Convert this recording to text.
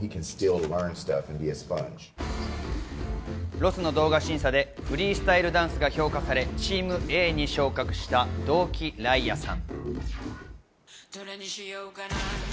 ロスの動画審査でフリースタイルダンスが評価されＴｅａｍＡに昇格した道木来明さん。